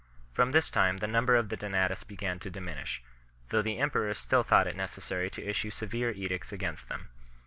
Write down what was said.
From this time the num ber of the Donatists began to diminish, though the em perors still thought it necessary to issue severe edicts against them.